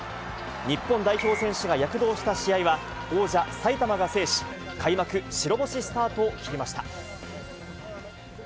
日本代表選手が躍動した試合は、王者、埼玉が制し、開幕白星スタートを切りました。